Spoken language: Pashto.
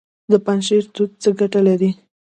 د پنجشیر توت څه ګټه لري؟